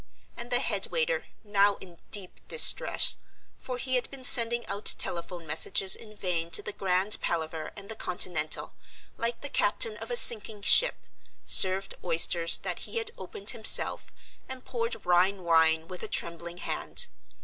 And the head waiter, now in deep distress for he had been sending out telephone messages in vain to the Grand Palaver and the Continental, like the captain of a sinking ship served oysters that he had opened himself and poured Rhine wine with a trembling hand.